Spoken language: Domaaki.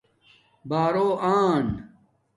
بارݸ آن